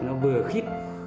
nó vừa khít